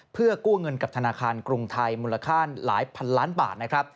เพื่อกู้เงินกับธนาคารกรุงไทยมูลค่าหลายพันล้านบาทนะครับ